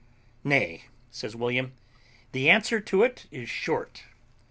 "Nay," says William, "the answer to it is short.